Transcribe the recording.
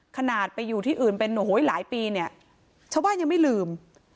ขนาดไปอยู่ที่อื่นเป็นโอ้โหหลายปีเนี่ยชาวบ้านยังไม่ลืม